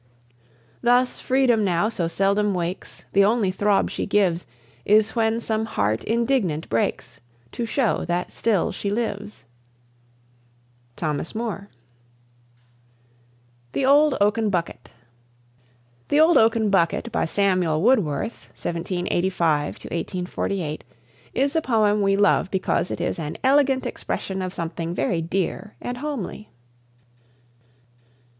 Thus Freedom now so seldom wakes, The only throb she gives Is when some heart indignant breaks, To show that still she lives. THOMAS MOORE. THE OLD OAKEN BUCKET "The Old Oaken Bucket," by Samuel Woodworth (1785 1848), is a poem we love because it is an elegant expression of something very dear and homely.